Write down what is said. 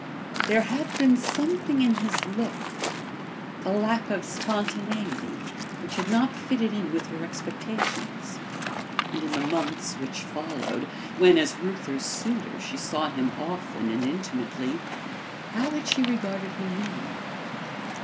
There had been something in his look a lack of spontaneity which had not fitted in with her expectations. And in the months which followed, when as Reuther's suitor she saw him often and intimately how had she regarded him then?